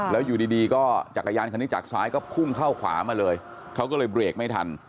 แล้วอยู่ดีก็จักรยานคันนี้จากซ้ายก็พุ่งเข้าขวามาเลยเขาก็เลยเบรกไม่ทัน